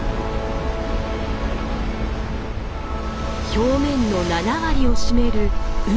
表面の７割を占める海。